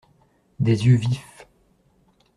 Des yeux vifs.